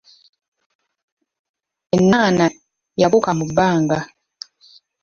Ennaana, yabuuka mu bbanga.